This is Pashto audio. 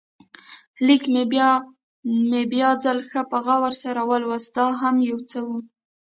لیک مې بیا ځل ښه په غور سره ولوست، دا هم یو څه و.